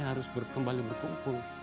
harus kembali berkumpul